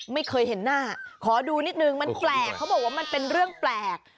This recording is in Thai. ไม่เคยเห็นหน้าขอดูนิดนึงมันแปลกเขาบอกว่ามันเป็นเรื่องแปลก